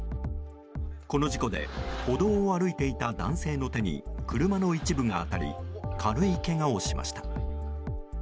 この事故で歩道を歩いていた男性の手に車の一部が当たり軽いけがをしました。